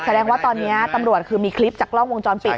แสดงว่าตอนนี้ตำรวจคือมีคลิปจากกล้องวงจรปิด